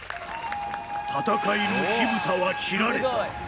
戦いの火蓋は切られた。